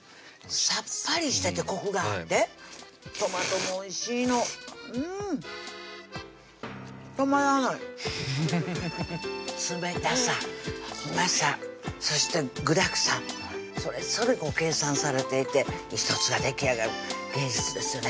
さっぱりしててコクがあってトマトもおいしいの止まらない冷たさうまさそして具だくさんそれぞれ計算されていて１つができあがる芸術ですよね